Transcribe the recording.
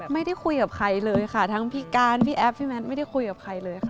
ไม่ได้คุยกับใครเลยค่ะทั้งพี่การพี่แอฟพี่แมทไม่ได้คุยกับใครเลยค่ะ